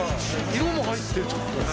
色も入ってる、ちょっと。